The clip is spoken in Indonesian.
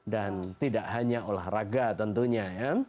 dan tidak hanya olahraga tentunya